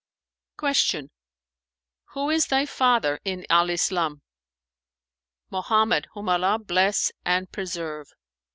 Q "Who is thy father in Al Islam?" "Mohammed, whom Allah bless and preserve!"